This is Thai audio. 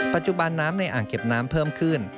ปัจจุบันน้ำในอ่างเก็บน้ำเพิ่มขึ้น